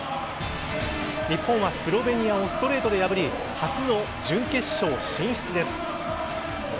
日本はスロベニアをストレートで破り初の準決勝進出です。